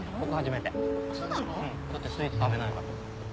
だってスイーツ食べないから。